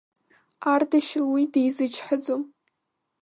Ардашьыл уи дизычҳаӡом…